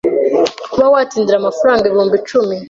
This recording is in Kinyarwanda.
kuba watsindira amafaranga ibihumbi icumi